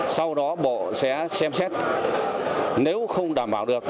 sau đó bộ sẽ xem xét nếu không đảm bảo được